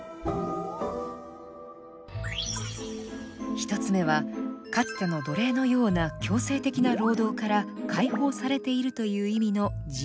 １つ目はかつての奴隷のような強制的な労働から解放されているという意味の自由。